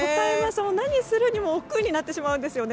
何をするにも億劫になってしまうんですよね。